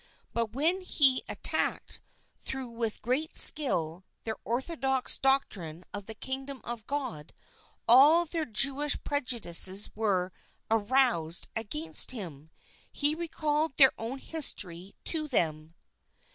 But when he attacked, though with great skill, their orthodox doc trine of the Kingdom of God, all their Jewish prejudices were aroused against him. He re called their own history to them.